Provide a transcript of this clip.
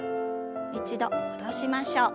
一度戻しましょう。